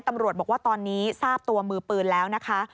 ตำรวจบอกว่าตอนนี้ทราบตัวมือปืนแล้วนะคะ